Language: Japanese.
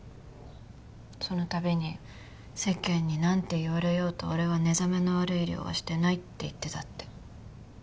その度に「世間になんて言われようと俺は寝覚めの悪い医療はしてない」って言ってたって。